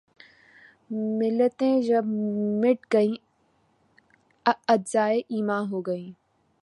ملتیں جب مٹ گئیں‘ اجزائے ایماں ہو گئیں